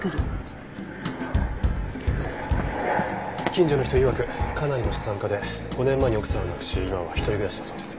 近所の人いわくかなりの資産家で５年前に奥さんを亡くし今は一人暮らしだそうです。